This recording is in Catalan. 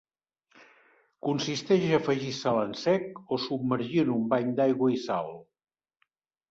Consisteix a afegir sal en sec o submergir en un bany d'aigua i sal.